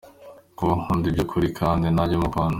Kuba ankunda by’ukuri kandi nanjye mukunda.